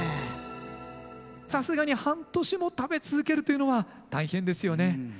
さすがに半年も食べ続けるというのは大変ですよね。